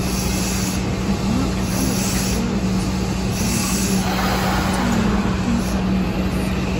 Unmarked Ford Explorer is black with tinted windows.